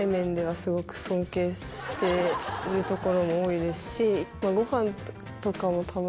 してるところも多いですし。